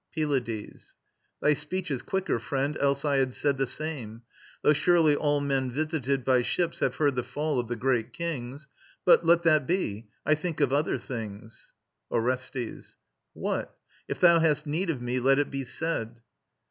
PYLADES. Thy speech is quicker, friend, else I had said The same; though surely all men visited By ships have heard the fall of the great kings. But let that be: I think of other things ... ORESTES. What? If thou hast need of me, let it be said.